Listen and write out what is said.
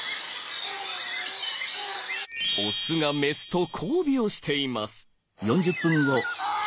オスがメスと交尾をしています。